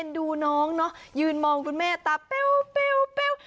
ดูน้องเนอะยืนมองคุณแม่ตาแป้ว